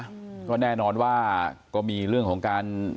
อืมก็แน่นอนว่าก็มีเรื่องของการ